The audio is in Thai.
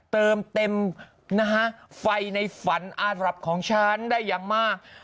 เติมเต็มนะฮะไฟในฝันอารับของฉันได้อย่างมาก